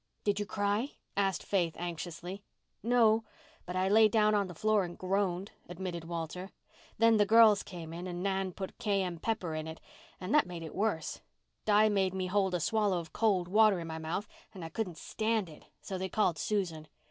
"Did you cry?" asked Faith anxiously. "No—but I lay down on the floor and groaned," admitted Walter. "Then the girls came in and Nan put cayenne pepper in it—and that made it worse—Di made me hold a swallow of cold water in my mouth—and I couldn't stand it, so they called Susan.